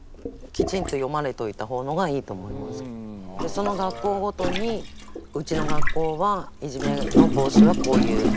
その学校ごとにうちの学校はいじめの防止はこういう対策をしてます。